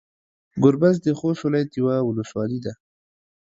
ګوربز د خوست ولايت يوه ولسوالي ده.